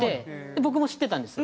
僕も知ってたんですよ